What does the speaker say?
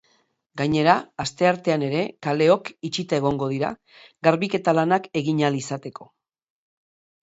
Gainera, asteartean ere kaleok itxita egongo dira, garbiketa-lanak egin ahal izateko.